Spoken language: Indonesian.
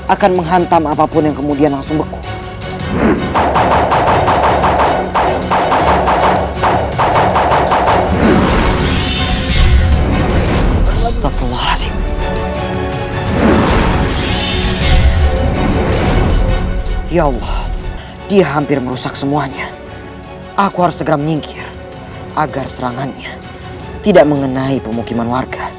akan menghantam apapun yang kemudian langsung beku